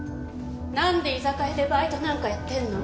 なんで居酒屋でバイトなんかやってんの？